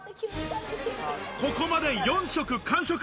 ここまで４食完食。